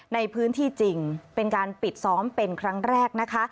ในพื้นที่จริงเป็นการปิดซ้อมเป็นครั้งแรกนะคะ